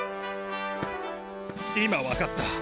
今分かった。